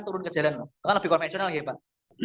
turun ke jalan lho kan lebih konvensional lagi pak